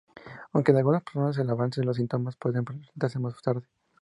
Aunque en algunas personas el avance de los síntomas pueden presentarse más tarde.